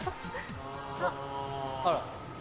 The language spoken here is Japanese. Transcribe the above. あら。